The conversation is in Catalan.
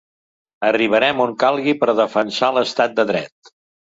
Arribarem on calgui per defensar l’estat de dret.